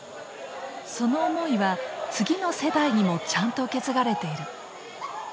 その思いは次の世代にもちゃんと受け継がれている。